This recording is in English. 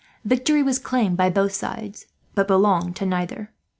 Victory was claimed by both sides, but belonged to neither.